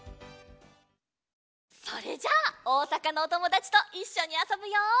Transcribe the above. それじゃあおおさかのおともだちといっしょにあそぶよ！